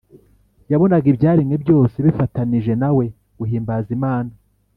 yabonaga ibyaremwe byose bifatanije na we guhimbaza Imana